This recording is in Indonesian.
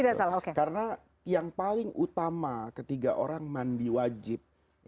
karena yang paling utama ketiga orang mandi wajib